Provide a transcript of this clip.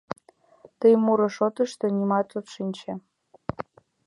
— Тый муро шотышто нимом от шинче...